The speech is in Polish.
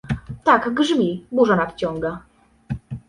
— Tak, grzmi, burza nadciąga.